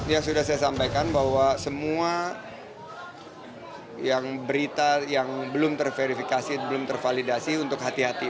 ya sudah saya sampaikan bahwa semua berita yang belum terverifikasi belum tervalidasi untuk hati hati